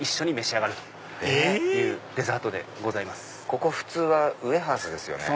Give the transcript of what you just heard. ここ普通はウエハースですよね。